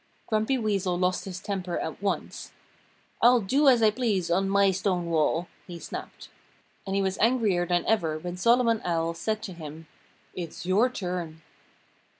Grumpy Weasel lost his temper at once. "I'll do as I please on my stone wall!" he snapped. And he was angrier than ever when Solomon Own said to him, "It's your turn!"